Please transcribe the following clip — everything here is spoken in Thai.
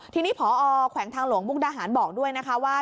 ทีนี้พอแขวงทางหลวงมุกดาหารบอกด้วยนะคะว่า